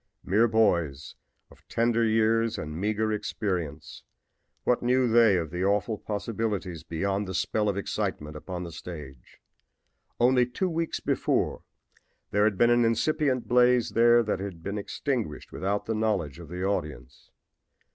Mere boys of tender years and meager experience, what knew they of the awful possibilities behind the spell of excitement upon the stage? Only two weeks before there had been an incipient blaze there that had been extinguished without the knowledge of the audience.